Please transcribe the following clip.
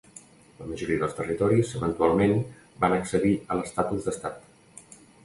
La majoria dels territoris eventualment van accedir a l'estatus d'estat.